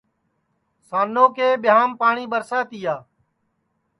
سانو کے ٻیاںٚم پاٹؔی ٻرسا تیا